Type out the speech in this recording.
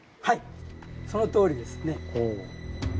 はいそのとおりですね。